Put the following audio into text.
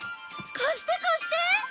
貸して貸して！